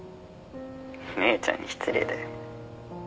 姉ちゃんに失礼だよ。